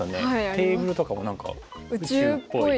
テーブルとかも何か宇宙っぽい。